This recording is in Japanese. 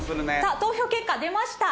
投票結果出ました。